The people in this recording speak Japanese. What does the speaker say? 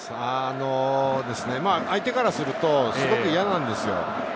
相手からすると、すごく嫌なんですよ。